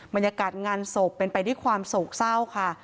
บรรยากาศงานศพเป็นไปด้วยความโศกเศร้าค่ะ